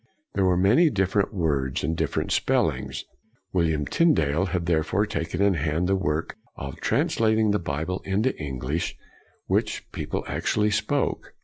There were many different words and different spellings. William Tyndale had therefore taken in hand the work of trans lating the Bible into the English which people actually spoke.